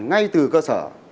ngay từ cơ sở